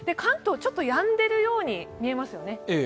ちょっとやんでいるように見えますよね。